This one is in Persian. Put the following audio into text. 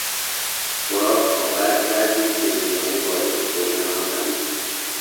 خوراک آنقدر بد بود که زندانی قادر به خوردن آن نبود.